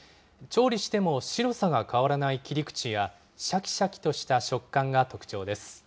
調理しても白さが変わらない切り口やしゃきしゃきとした食感が特